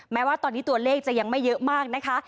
แม้ว่าตอนนี้ตัวเลขจะยังไม่เยอะมากนะคะ